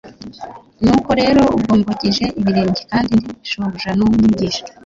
Nuko rero ubwo mbogeje ibirenge, kandi ndi Shobuja n'Umwigisha,